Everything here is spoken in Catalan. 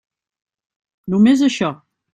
Només això.